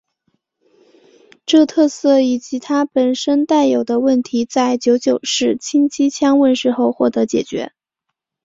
这特色以及它本身带有的问题在九九式轻机枪问世后获得解决。